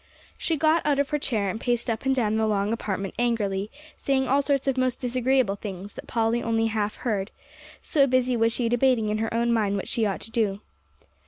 She got out of her chair, and paced up and down the long apartment angrily, saying all sorts of most disagreeable things, that Polly only half heard, so busy was she debating in her own mind what she ought to do.